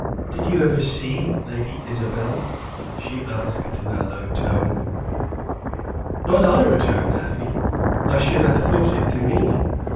"Did you ever see Lady Isabel?" she asked, in a low tone. "Not I," returned Afy; "I should have thought it demeaning.